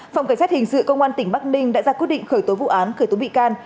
phòng cảnh sát hình sự công an tỉnh bắc ninh đã ra quyết định khởi tố vụ án khởi tố bị can